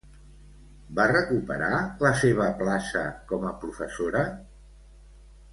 Va recuperar la seva plaça com a professora?